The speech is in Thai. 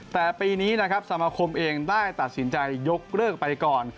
แต่ปีนี้นะครับสมาคมเองได้ตัดสินใจยกเลิกไปก่อน